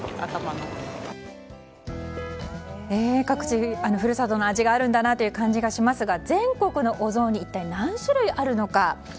各地に故郷の味があるんだなという感じがしますが、全国のお雑煮は一体何種類あるのか。